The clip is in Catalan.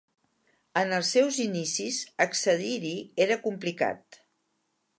En els seus inicis, accedir-hi era complicat.